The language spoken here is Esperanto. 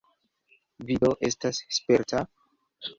Vi do estas sperta?